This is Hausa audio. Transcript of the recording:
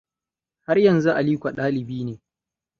Har yanzu Aliko dalibi ne.